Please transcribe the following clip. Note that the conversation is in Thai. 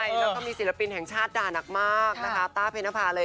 แล้วก็มีศิลปินแห่งชาติด่านักมากนะคะต้าเพนภาเลย